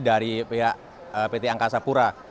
dari pihak pt angkasa pura